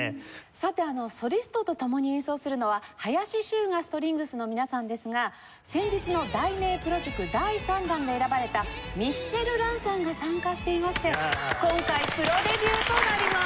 さてソリストと共に演奏するのは林周雅ストリングスの皆さんですが先日の題名プロ塾第３弾で選ばれたミッシェル藍さんが参加していまして今回プロデビューとなります。